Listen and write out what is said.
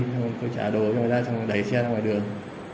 xong rồi tôi trả đồ cho người ra xong đẩy xe ra ngoài đường